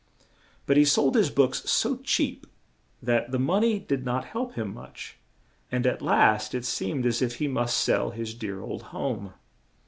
But he sold his books so cheap that the mon ey did not help him much; and, at last, it seemed as if he must sell his dear old home.